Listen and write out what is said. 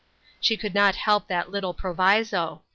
She could not help that little proviso.